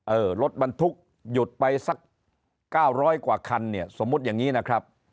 เออรถบรรทุกข์หยุดไปสัก๙๐๐กว่าคันสมมุติอย่างนี้นะครับ